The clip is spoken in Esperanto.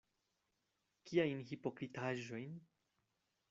Kiajn hipokritaĵojn?